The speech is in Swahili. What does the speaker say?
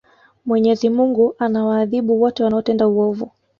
mwenyezi mungu anawaadhibu wote wanaotenda uovu